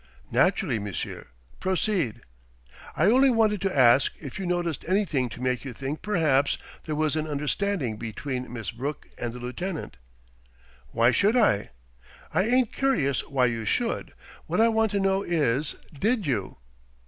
"Naturally, monsieur. Proceed...." "I only wanted to ask if you noticed anything to make you think perhaps there was an understanding between Miss Brooke and the lieutenant?" "Why should I?" "I ain't curious why you should. What I want to know is, did you?"